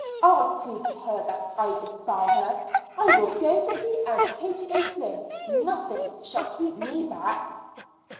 I'll prove to her that I defy her. I will go to see Aunt Katie O'Flynn; nothing shall keep me back."